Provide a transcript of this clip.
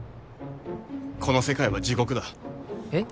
この世界は地獄だえっ？